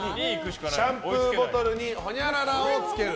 シャンプーボトルにほにゃららをつける。